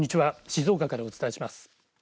静岡からお伝えします。